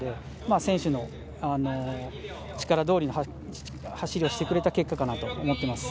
選手の力通りの走りをしてくれた結果だと思っています。